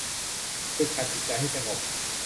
ฝึกหัดจิตใจให้สงบ